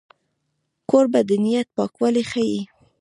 کوربه د نیت پاکوالی ښيي.